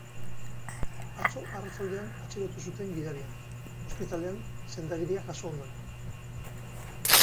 Atzo arratsaldean atxilotu zuten gidaria, ospitalean sendagiria jaso ondoren.